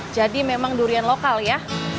jadi memang durian lokal ya